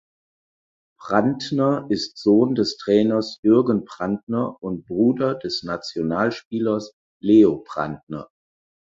Prantner ist Sohn des Trainers Jürgen Prantner und Bruder des Nationalspielers Leo Prantner.